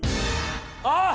あっ！